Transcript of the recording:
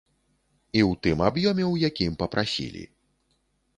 І ў тым аб'ёме, у якім папрасілі.